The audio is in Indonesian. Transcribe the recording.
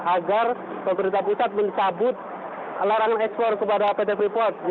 agar pemerintah pusat mencabut larangan ekspor kepada pt freeport